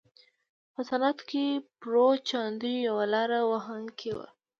په سند کې پرو چاندیو یو لاره وهونکی و.